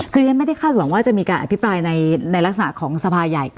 คือฉันไม่ได้คาดหวังว่าจะมีการอภิปรายในลักษณะของสภาใหญ่